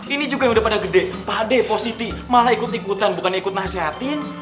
ini juga udah pada gede pade positif malah ikut ikutan bukan ikut nasihatin